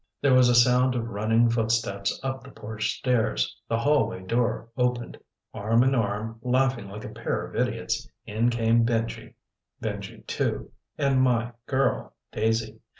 There was a sound of running footsteps up the porch stairs. The hallway door opened. Arm in arm, laughing like a pair of idiots, in came Benji Benji II and my girl, Daisy.